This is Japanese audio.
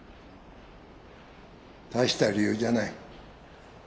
大した理由じゃない。